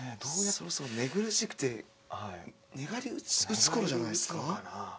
そろそろ寝苦しくて寝返り打つころじゃないすか？